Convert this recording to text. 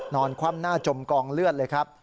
คว่ำหน้าจมกองเลือดเลยครับ